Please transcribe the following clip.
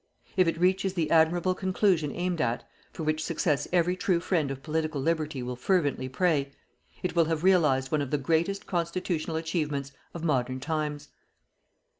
If it reaches the admirable conclusion aimed at for which success every true friend of Political Liberty will fervently pray it will have realized one of the greatest constitutional achievements of modern times.